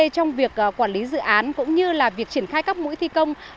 trong việc quản lý dự án cũng như là việc triển khai các mũi thi công